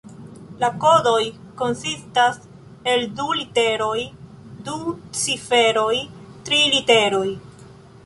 La kodoj konsistas el du literoj, du ciferoj, tri literoj.